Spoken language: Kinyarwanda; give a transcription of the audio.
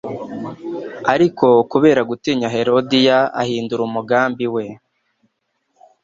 Ariko kubera gutinya Herodiya ahindura umugambi we.